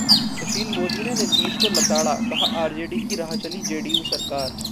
सुशील मोदी ने नीतीश को लताड़ा, कहा- आरजेडी की राह चली जेडीयू सरकार